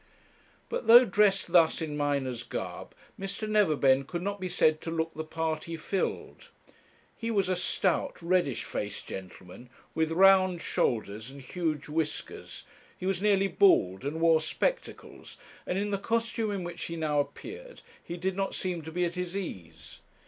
But though dressed thus in miner's garb, Mr. Neverbend could not be said to look the part he filled. He was a stout, reddish faced gentleman, with round shoulders and huge whiskers, he was nearly bald, and wore spectacles, and in the costume in which he now appeared he did not seem to be at his ease.